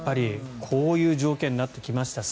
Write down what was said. こういう条件になってきました。